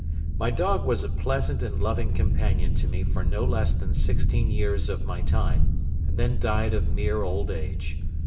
My dog was a pleasant and loving companion to me for no less than sixteen years of my time, and then died of mere old age.